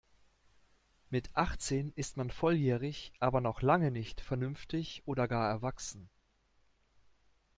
Mit achtzehn ist man volljährig aber noch lange nicht vernünftig oder gar erwachsen.